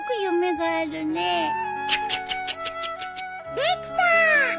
できた。